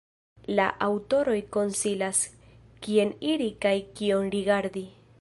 La aŭtoroj konsilas, kien iri kaj kion rigardi.